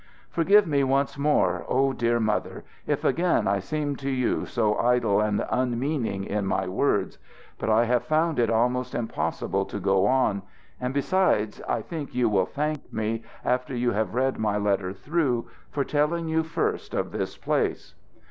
"Forgive me once more, O dear Mother! if again I seem to you so idle and unmeaning in my words. But I have found it almost impossible to go on; and, besides, I think you will thank me, after you have read my letter through, for telling you first of this place.